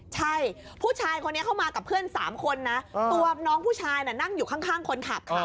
ใช่ผู้ชายคนนี้เข้ามากับเพื่อน๓คนนะตัวน้องผู้ชายน่ะนั่งอยู่ข้างคนขับค่ะ